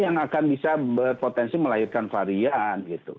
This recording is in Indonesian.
yang akan bisa berpotensi melahirkan varian gitu